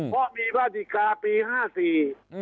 เพราะมีภาษกิจดิกาปี๕๔